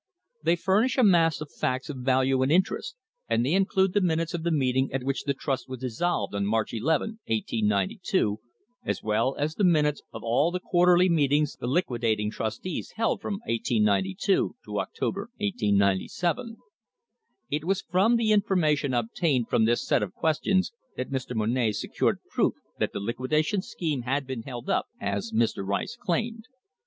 They furnish a mass of facts of value and interest, and they include the minutes of the meeting at which the trust was dissolved on March 11, 1892,. as well as the minutes of all the quarterly meetings the liquidating trustees held from 1892 to October, 1897. It was from the information obtained from this set of questions that Mr. Monnett secured proof that the liquidation scheme had been held up, as Mr. Rice claimed.